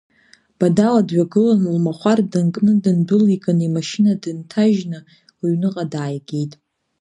Бадала дҩагылан, лмахәар данкны дындәылиган, имашьына дынҭажьны лыҩныҟа дааигеит.